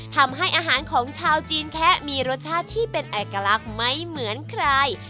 ทำให้อาหารของชาวจีนแคะมีรสชาติที่เป็นเอกลักษณ์ไม่เหมือนใคร